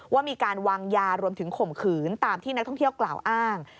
ว่ามีการวางยารวมถึงข่มขืนตามที่นักท่องเที่ยวกล่าวอ้าง